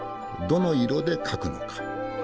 どの色で描くのか？